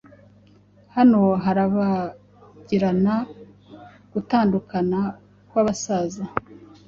Hano harabagirana gutandukana kwabasaza